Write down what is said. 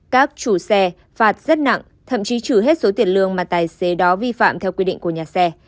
các chủ xe phạt rất nặng thậm chí chửi hết số tiền lương mà tài xế đó vi phạm theo quy định của nhà xe